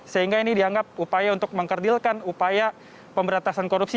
sehingga ini dianggap upaya untuk mengkerdilkan upaya pemberantasan korupsi